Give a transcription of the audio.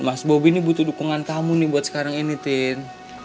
mas bobby ini butuh dukungan kamu nih buat sekarang ini tin